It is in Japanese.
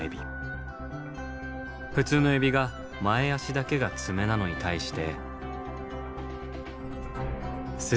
普通のエビが前足だけが爪なのに対して。